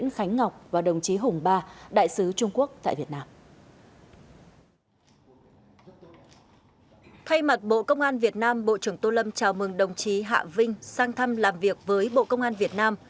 thay mặt bộ công an việt nam bộ trưởng tô lâm chào mừng đồng chí hạ vinh sang thăm làm việc với bộ công an việt nam